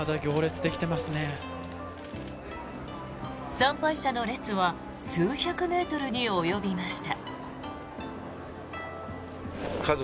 参拝者の列は数百メートルに及びました。